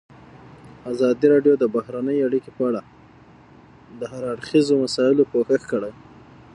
ازادي راډیو د بهرنۍ اړیکې په اړه د هر اړخیزو مسایلو پوښښ کړی.